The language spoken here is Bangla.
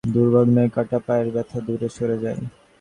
দুর্ভাবনায় কাটা পায়ের ব্যথা দূরে সরে যায়।